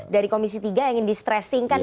dari komisi tiga yg di stresingkan